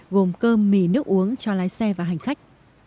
gồm cơm mì nước uống cho lái xe và hành khách